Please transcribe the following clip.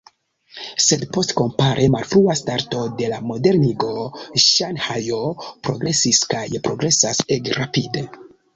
Sed post kompare malfrua starto de la modernigo Ŝanhajo progresis kaj progresas ege rapide.